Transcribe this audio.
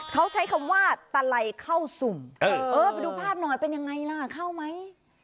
เขาใช้คำว่าตะไลเข้าสุ่มเออไปดูภาพหน่อยเป็นยังไงล่ะเข้าไหม